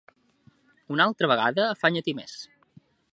Una altra vegada afanya-t'hi més.